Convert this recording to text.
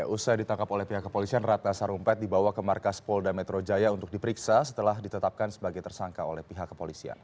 usai ditangkap oleh pihak kepolisian ratna sarumpait dibawa ke markas polda metro jaya untuk diperiksa setelah ditetapkan sebagai tersangka oleh pihak kepolisian